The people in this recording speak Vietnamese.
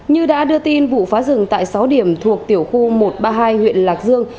như đã đưa tin vụ phá rừng tại sáu điểm thuộc tiểu khu một trăm ba mươi hai huyện lạc dương